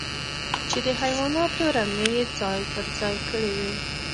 چې د حيواناتو رمې يې ځای پر ځای کړې وې.